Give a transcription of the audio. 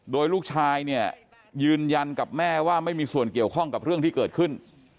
โดยลูกชายเนี่ยยืนยันกับแม่ว่าไม่มีส่วนเกี่ยวข้องกับเรื่องที่เกิดขึ้น